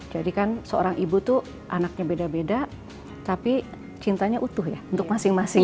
jadi kan seorang ibu tuh anaknya beda beda tapi cintanya utuh ya untuk masing masing